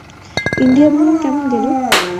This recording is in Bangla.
ইন্ডিয়া ভ্রমণ কেমন গেল?